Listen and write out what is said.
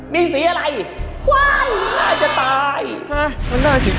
มีสีอะไร